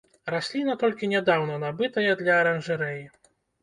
Расліна толькі нядаўна набытая для аранжарэі.